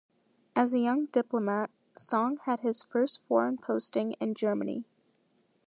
As a young diplomat, Song had his first foreign posting in Germany.